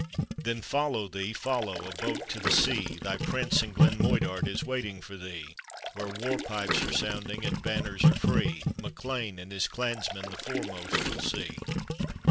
Then follow thee! follow! a boat to the sea! Thy Prince in Glen Moidart is waiting for thee; Where war pipes are sounding and banners are free; MacLean and h is clansmen the foremost you'll sec.